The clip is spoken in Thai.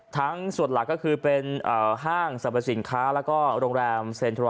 ทั้งส่วนหลักก็คือเป็นห้างสรรพสินค้าแล้วก็โรงแรมเซ็นทรัล